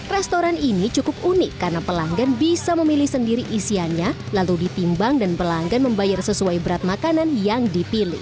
restoran ini cukup unik karena pelanggan bisa memilih sendiri isiannya lalu ditimbang dan pelanggan membayar sesuai berat makanan yang dipilih